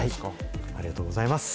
ありがとうございます。